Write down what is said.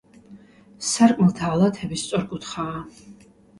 სარკმელთა ალათები სწორკუთხაა.